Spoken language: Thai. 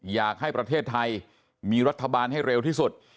อยากให้ประเทศไทยมีรัฐบาลให้เร็วที่สุด